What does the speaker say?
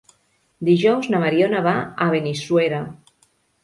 Dijous na Mariona va a Benissuera.